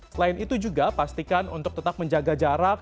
selain itu juga pastikan untuk tetap menjaga jarak